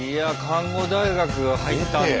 看護大学入ったんだ。